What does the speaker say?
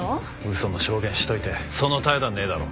嘘の証言しといてその態度はねえだろ。